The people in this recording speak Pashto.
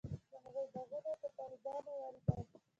د هغوی باغونه یې په طالبانو ورېبل.